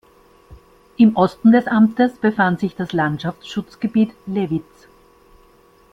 Im Osten des Amtes befand sich das Landschaftsschutzgebiet Lewitz.